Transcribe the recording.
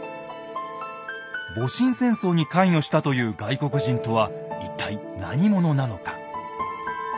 戊辰戦争に関与したという外国人とは一体何者なのか。